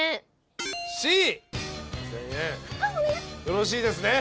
よろしいですね？